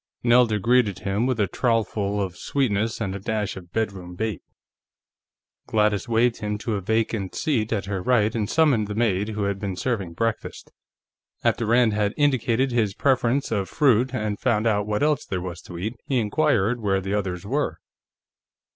Nelda greeted him with a trowelful of sweetness and a dash of bedroom bait. Gladys waved him to a vacant seat at her right and summoned the maid who had been serving breakfast. After Rand had indicated his preference of fruit and found out what else there was to eat, he inquired where the others were.